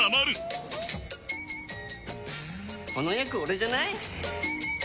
この役オレじゃない？